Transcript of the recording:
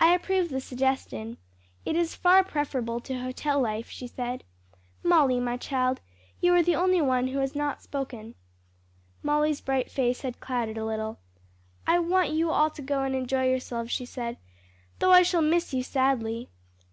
"I approve the suggestion. It is far preferable to hotel life," she said. "Molly, my child, you are the only one who has not spoken." Molly's bright face had clouded a little. "I want you all to go and enjoy yourselves," she said, "though I shall miss you sadly."